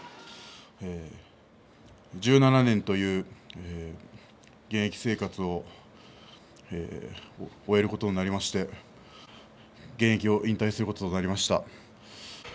１７年という現役生活を終えることになりまして現役を引退することとなりました。